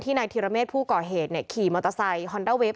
ที่ในทีรเมสผู้ก่อเหตุเนี่ยขี่มอเตอร์ไซค์ฮอนดาวเวฟ